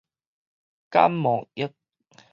感冒液